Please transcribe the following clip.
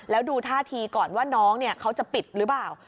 แล้วดูท่าทีก่อนว่าน้องเขาจะปิดหรือเปล่า